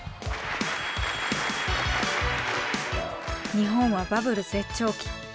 日本はバブル絶頂期。